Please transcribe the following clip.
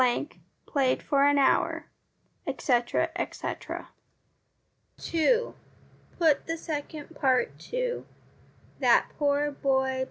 played for an hour ; etc., etc. 2. Put the second part to That poor boy